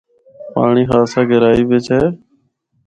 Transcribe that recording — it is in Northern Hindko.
پانڑی خاصا گہرائی بچ اے۔